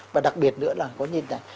và đặc biệt nữa là có những cái